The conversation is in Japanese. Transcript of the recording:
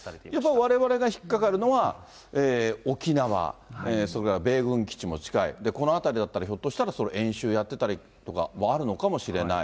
われわれが引っかかるのは、沖縄、それから米軍基地も近い、この辺りだったら、ひょっとしたらそれ、演習やってたりとかもあるのかもしれない。